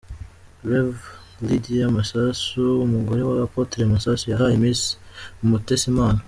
Rev Lydia Masasu umugore wa Apotre Masasu, yahaye Miss Umutesi impano.